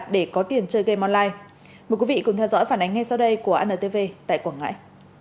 để có tiền chơi game online mời quý vị cùng theo dõi phản ánh ngay sau đây của antv tại quảng ngãi